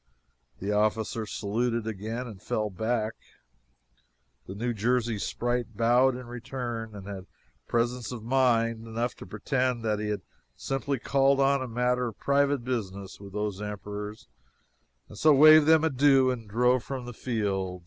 The officer saluted again and fell back, the New Jersey sprite bowed in return and had presence of mind enough to pretend that he had simply called on a matter of private business with those emperors, and so waved them an adieu and drove from the field!